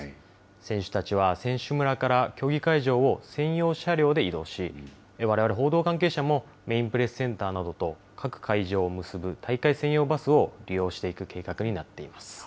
選手たちは選手村から競技会場を専用車両で移動し、われわれ報道関係者も、メインプレスセンターなどと、各会場を結ぶ大会専用バスを利用していく計画になっています。